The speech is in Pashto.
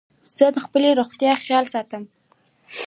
زه د خپلي روغتیا خیال ساتم.